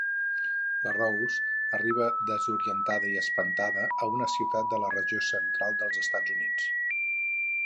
La Rose arriba desorientada i espantada a una ciutat de la regió central dels Estats Units.